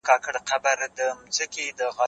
زه اوږده وخت ليکنې کوم